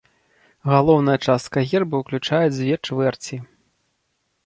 Галоўная частка герба ўключае дзве чвэрці.